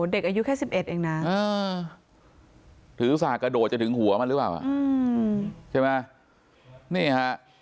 เด็กอายุแค่๑๑เองนะถือสากกระโดดจะถึงหัวมันหรือเปล่า